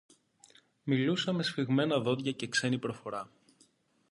Μιλούσε με σφιγμένα δόντια και ξένη προφορά